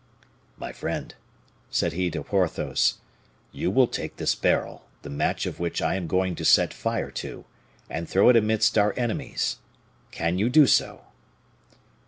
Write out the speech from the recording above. "My friend," said he to Porthos, "you will take this barrel, the match of which I am going to set fire to, and throw it amidst our enemies; can you do so?"